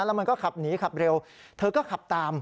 แล้วมันก็ขับหนีขับเร็วเธอก็ขับตาม